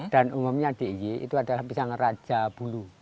dan umumnya di iji itu adalah pisang rajabuluh